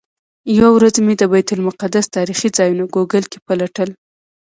یوه ورځ مې د بیت المقدس تاریخي ځایونه ګوګل کې پلټل.